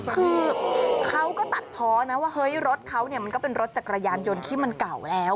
คือเขาก็ตัดเพาะนะว่าเฮ้ยรถเขาเนี่ยมันก็เป็นรถจักรยานยนต์ที่มันเก่าแล้ว